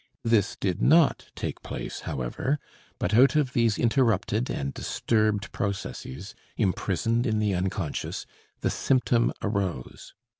This did not take place, however, but out of these interrupted and disturbed processes, imprisoned in the unconscious, the symptom arose.